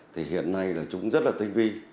thì hiện nay là chúng rất là tinh vi